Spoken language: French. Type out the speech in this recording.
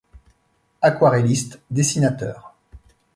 Aquarelliste, Dessinateur.